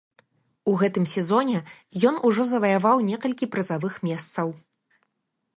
У гэтым сезоне ён ужо заваяваў некалькі прызавых месцаў.